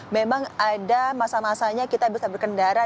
memang ada masalahnya kita bisa berkendara